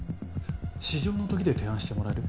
「至上の時」で提案してもらえる？